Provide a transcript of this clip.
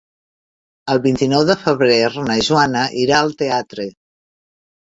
El vint-i-nou de febrer na Joana irà al teatre.